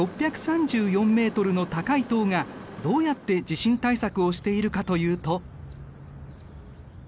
６３４ｍの高い塔がどうやって地震対策をしているかというと。